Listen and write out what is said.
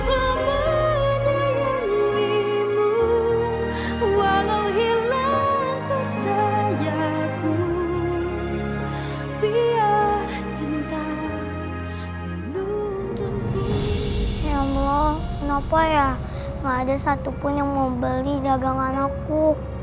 ya allah kenapa ya gak ada satupun yang mau beli dagangan aku